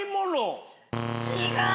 違う！